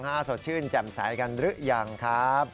สดชื่นแจ่มใสกันหรือยังครับ